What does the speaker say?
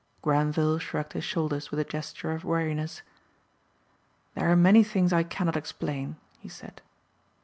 Grenvil shrugged his shoulders with a gesture of weariness. "There are many things I cannot explain," he said.